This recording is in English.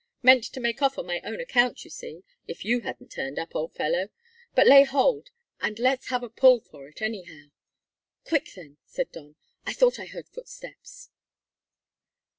Meant to make off on my own account, you see, if you hadn't turned up, old fellow. But lay hold and let's have a pull for it, anyhow." "Quick, then!" said Don. "I thought I heard footsteps."